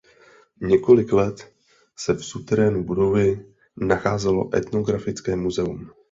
Několik let se v suterénu budovy nacházelo Etnografické muzeum.